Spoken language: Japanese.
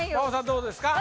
どうですか？